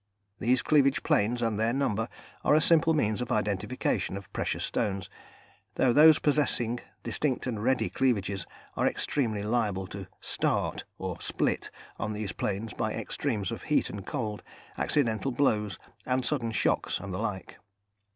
These cleavage planes and their number are a simple means of identification of precious stones, though those possessing distinct and ready cleavages are extremely liable to "start" or "split" on these planes by extremes of heat and cold, accidental blows, sudden shocks and the like.